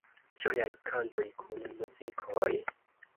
Ĝojaj kantoj kun muzikoj